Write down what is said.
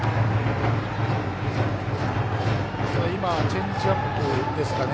チェンジアップですかね。